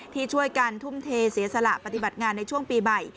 ที่ช่วยกันทุ่มเทเสียสละปฏิบัติงานในช่วงปีใหม่